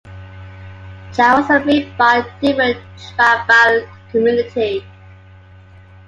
Chariots are made by a different tribal community.